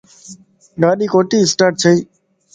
گاڏي ڪوتي اسٽاٽ ڇئي